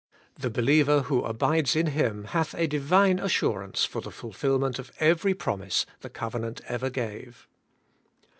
The believer who abides in Him hath a Divine as surance for the fulfilment of every promise the covenant ever gave.